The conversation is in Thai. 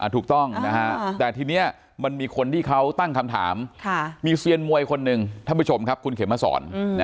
ถูกต้องนะฮะแต่ทีนี้มันมีคนที่เขาตั้งคำถามมีเซียนมวยคนหนึ่งท่านผู้ชมครับคุณเขมมาสอน